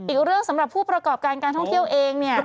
อีกเรื่องสำหรับผู้ประกอบการการท่องเที่ยวเองเนี่ย